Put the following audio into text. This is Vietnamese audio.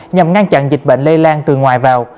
nhằm ngăn chặn dịch bệnh lây lan từ ngoài vào